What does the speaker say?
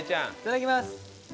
いただきます！